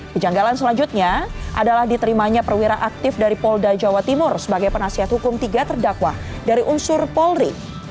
kejanggalan selanjutnya adalah diterimanya perwira aktif dari polda jawa timur sebagai penasihat hukum tiga terdakwa dari unsur polri